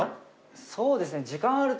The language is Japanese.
そうですね。